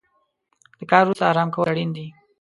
د کار وروسته ارام کول اړین دي.